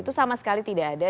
itu sama sekali tidak ada